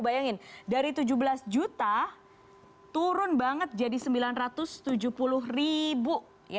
bayangin dari tujuh belas juta turun banget jadi sembilan ratus tujuh puluh ribu